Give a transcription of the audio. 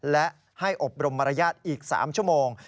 และให้อบรมมารยาทอีก๓ชั่วโมง